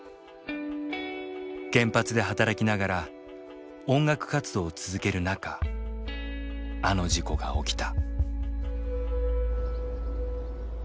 原発で働きながら音楽活動を続ける中あの事故が起きた。